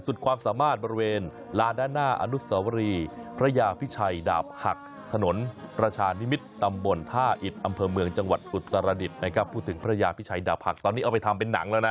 สุดประดิษฐ์พูดถึงพระยาพิชัยดาพักษ์ตอนนี้เอาไปทำเป็นหนังแล้วนะ